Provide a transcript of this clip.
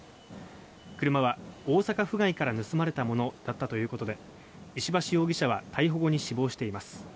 車は、大阪府外から盗まれたものだったということで石橋容疑者は逮捕後に死亡しています。